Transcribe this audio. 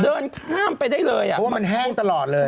เดินข้ามไปได้เลยอ่ะเพราะว่ามันแห้งตลอดเลย